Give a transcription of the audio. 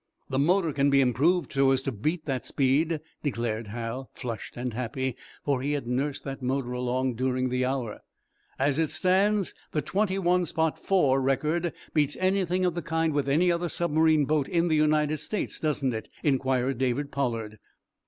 "The motor can be improved so as to beat that speed," declared Hal, flushed and happy, for he had nursed that motor along during the hour! "As it stands, the twenty one spot four record beats anything of the kind with any other submarine boat in the United States, doesn't it?" inquired David Pollard.